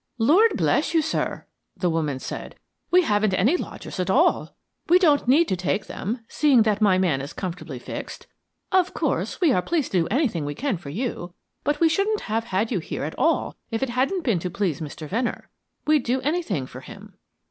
"Lord bless you, sir," the woman said, "we haven't any lodgers at all. We don't need to take them, seeing that my man is comfortably fixed. Of course, we are pleased to do anything we can for you, but we shouldn't have had you here at all if it hadn't been to please Mr. Venner. We'd do anything for him."